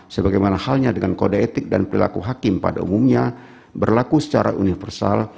sebagaimana halnya dengan kode etik dan perilaku hakim pada umumnya berlaku secara universal